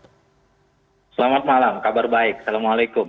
selamat malam kabar baik assalamualaikum